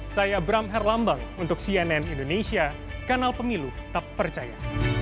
saya bram herlambang untuk cnn indonesia kanal pemilu tak percaya